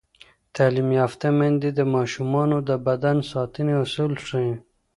تعلیم یافته میندې د ماشومانو د بدن ساتنې اصول ښيي.